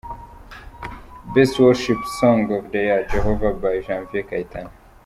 Best Worship song of the year: Jehova by Janvier Kayitana.